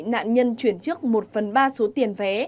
nạn nhân chuyển trước một phần ba số tiền vé